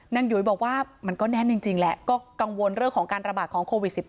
หยุยบอกว่ามันก็แน่นจริงแหละก็กังวลเรื่องของการระบาดของโควิด๑๙